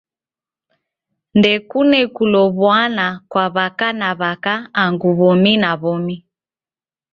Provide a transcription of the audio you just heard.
Ndekune kulow'uana kwa w'aka na w'aka angu w'omi na w'omi.